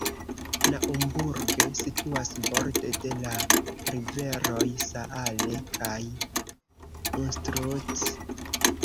Naumburg situas borde de la riveroj Saale kaj Unstrut.